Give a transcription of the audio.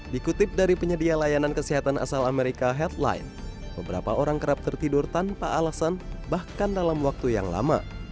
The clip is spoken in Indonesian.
dikutip dari penyedia layanan kesehatan asal amerika headline beberapa orang kerap tertidur tanpa alasan bahkan dalam waktu yang lama